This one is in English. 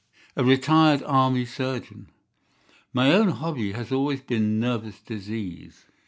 "A retired Army surgeon." "My own hobby has always been nervous disease.